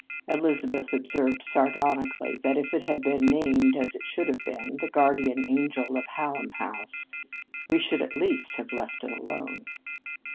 Elizabeth observed sardoni cally that if it had been named, as it should have been, " The Guardian Angel of Hallam House," we should at least have let it alone.